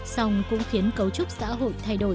song cũng khiến cấu trúc xã hội thay đổi